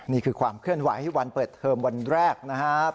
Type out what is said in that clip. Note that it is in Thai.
นี่คือความเคลื่อนไหววันเปิดเทอมวันแรกนะครับ